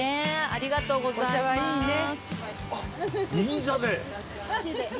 ありがとうございます。